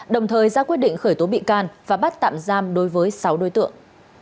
đồng thời ra quyết định khởi tố bị can và bắt tạm giam đối với sáu đối tượng